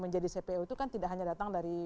menjadi cpo itu kan tidak hanya datang dari